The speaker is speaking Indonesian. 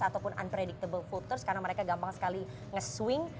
ataupun unpredictable voters karena mereka gampang sekali nge swing